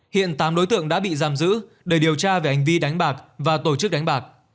hiện tám đối tượng đã bị giam giữ để điều tra về hành vi đánh bạc và tổ chức đánh bạc